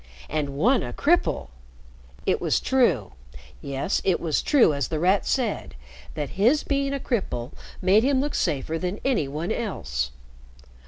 And one a cripple. It was true yes, it was true, as The Rat said, that his being a cripple made him look safer than any one else.